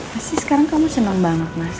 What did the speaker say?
masih sekarang kamu seneng banget mas